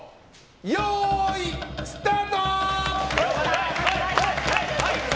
よーい、スタート！